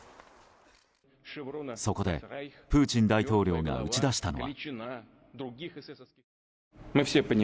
そこでプーチン大統領が打ち出したのは。